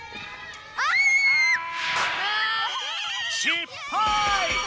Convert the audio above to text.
しっぱい！